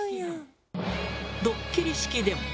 ドッキリ式でも。